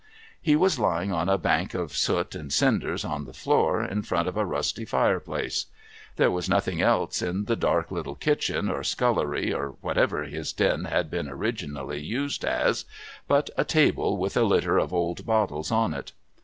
He was lying on a bank of soot and cinders, on the floor, in front of a rusty firejjlace. There was nothing else in the dark little kitchen, or scullery, or whatever his den had been originally used as, but a table with a litter of old bottles on it.